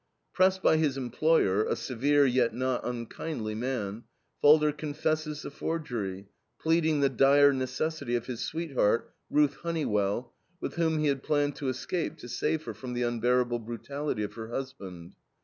Pressed by his employer, a severe yet not unkindly man, Falder confesses the forgery, pleading the dire necessity of his sweetheart, Ruth Honeywill, with whom he had planned to escape to save her from the unbearable brutality of her husband.